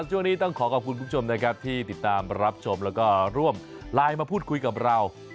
ช่วงนี้ต้องขอขอบคุณคุณผู้ชมนะครับที่ติดตามรับชมแล้วก็ร่วมไลน์มาพูดคุยกับเรา